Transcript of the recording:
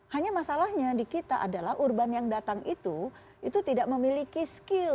hanya masalahnya di kita adalah urban yang datang itu itu tidak memiliki skill